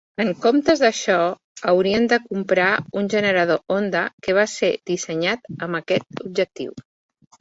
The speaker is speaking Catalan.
En comptes d'això, haurien de comprar un generador Honda que va ser dissenyat amb aquest objectiu.